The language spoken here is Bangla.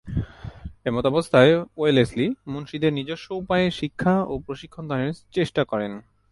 এমতাবস্থায় ওয়েলেসলি মুনশিদের নিজস্ব উপায়ে শিক্ষা ও প্রশিক্ষণ দানের চেষ্টা করেন।